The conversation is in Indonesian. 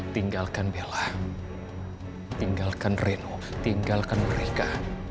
tinggalkan bella tinggalkan reno tinggalkan mereka